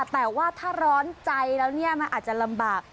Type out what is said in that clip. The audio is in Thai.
แต่ว่าถ้าร้อนใจแล้วเนี่ยมันอาจจะลำบาก